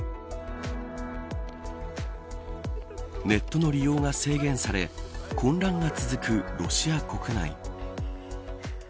ネットの利用が制限され混乱が続くロシア国内。